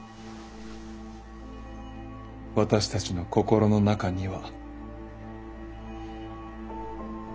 私たちの心の中には。